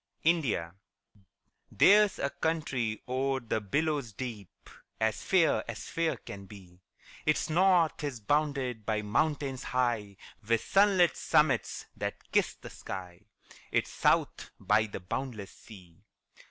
INDIA. There's a country o'er the billows deep, As fair as fair can be; Its north is bounded by mountains high, With sunlit summits that kiss the sky, Its south by the boundless sea.